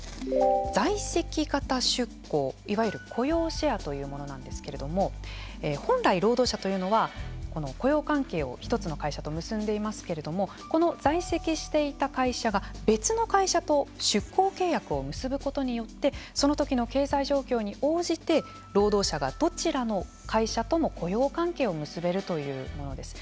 在籍型出向いわゆる雇用シェアというものなんですけれども本来労働者というのは雇用関係を一つの会社と結んでいますけれどもこの在籍していた会社が別の会社と出向契約を結ぶことによってそのときの経済状況に応じて労働者がどちらの会社とも雇用関係を結べるというものです。